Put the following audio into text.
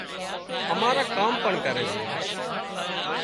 اماران ڪام پڻ ڪري سي